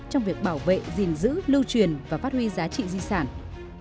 công tác bảo vệ và phát huy giá trị di sản văn hóa